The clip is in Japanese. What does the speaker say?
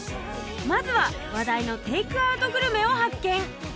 まずは話題のテイクアウトグルメを発見！